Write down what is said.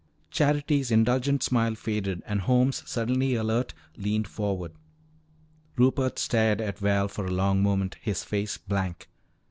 Charity's indulgent smile faded, and Holmes, suddenly alert, leaned forward. Rupert stared at Val for a long moment, his face blank.